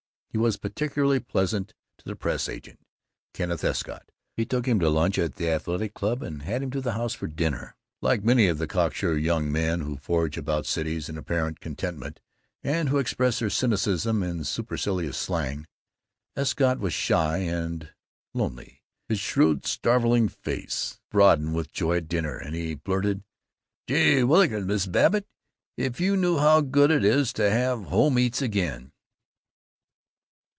He was particularly pleasant to the press agent, Kenneth Escott; he took him to lunch at the Athletic Club and had him at the house for dinner. Like many of the cocksure young men who forage about cities in apparent contentment and who express their cynicism in supercilious slang, Escott was shy and lonely. His shrewd starveling face broadened with joy at dinner, and he blurted, "Gee whillikins, Mrs. Babbitt, if you knew how good it is to have home eats again!"